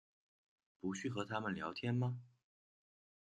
不去和他们聊天吗？